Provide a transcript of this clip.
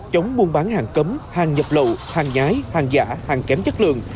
chống buôn bán hàng cấm hàng nhập lậu hàng nhái hàng giả hàng kém chất lượng